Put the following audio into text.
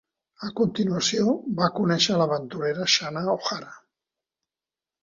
A continuació, va conèixer l'aventurera Shanna O'Hara.